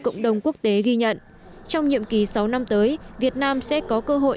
cộng đồng quốc tế ghi nhận trong nhiệm kỳ sáu năm tới việt nam sẽ có cơ hội